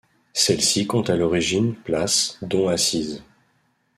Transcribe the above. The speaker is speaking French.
Celle-ci compte à l'origine places, dont assises.